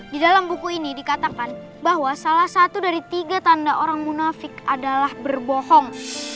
di dalam buku ini dikatakan bahwa salah satu dari tiga tanda orang munafik adalah berbohong